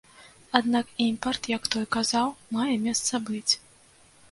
Аднак імпарт, як той казаў, мае месца быць.